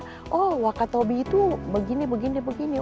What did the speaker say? biasanya oh wakatopi itu begini begini begini